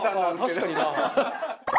確かにな。